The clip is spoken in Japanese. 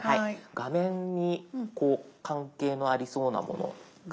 画面に関係ありそうなもの？